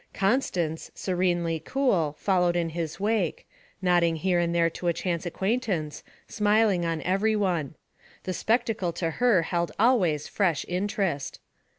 Constance, serenely cool, followed in his wake, nodding here and there to a chance acquaintance, smiling on every one; the spectacle to her held always fresh interest.